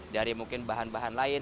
dari mungkin bahan bahan lain